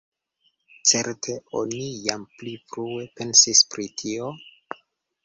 Certe oni jam pli frue pensis pri tio?